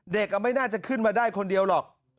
ไม่น่าจะขึ้นมาได้คนเดียวหรอก